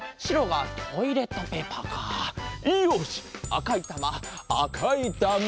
あかいたまあかいたま！